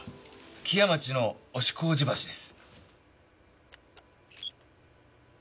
木屋町の押小路橋です。